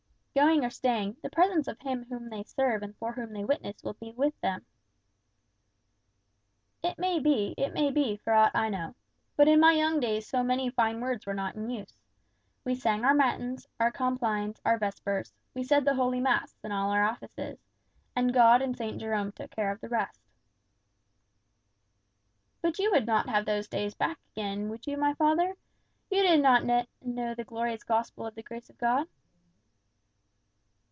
"Going or staying, the presence of Him whom they serve and for whom they witness will be with them." "It may be, it may be, for aught I know. But in my young days so many fine words were not in use. We sang our matins, our complines, our vespers; we said the holy mass and all our offices, and God and St. Jerome took care of the rest." "But you would not have those days back again, would you, my father? You did not then know the glorious gospel of the grace of God."